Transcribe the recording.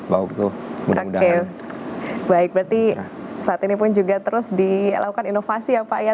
baik berarti saat ini pun juga terus dilakukan inovasi ya pak ya